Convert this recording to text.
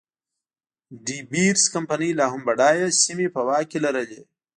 ډي بیرز کمپنۍ لا هم بډایه سیمې په واک کې لرلې.